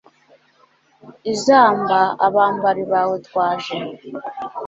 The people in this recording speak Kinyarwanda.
izamba, abambari bawe twaje